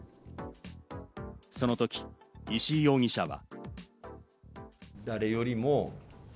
その時、石井容疑者は。